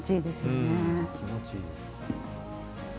うん気持ちいい。